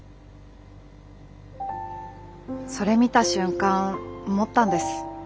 それ見た瞬間思ったんです。